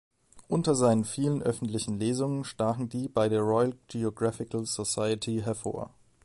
Unter seinen vielen öffentlichen Lesungen stachen die bei der Royal Geographical Society hervor.